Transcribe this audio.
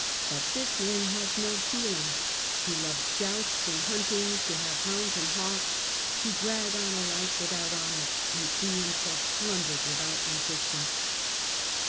But this man has no feeling. He loves jousts and huntings, to have liounds and hawks, to drag on a life without honour, and see himself plundered with out resistance."